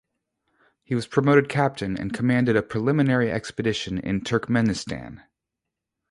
He was promoted captain and commanded a preliminary expedition in Turkmenistan.